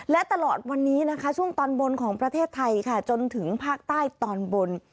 และตลอดวันนี้นะคะช่วงตอนบนของประเทศไทยค่ะจนถึงภาคใต้ตอนบน